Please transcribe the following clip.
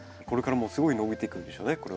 これからもすごい伸びていくんでしょうね